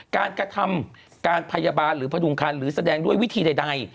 การกระทำการพยาบาลหรือพดุงคันหรือแสดงด้วยวิธีใด